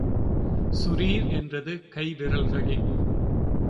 சுரீர் என்றது கை விரல்களில்.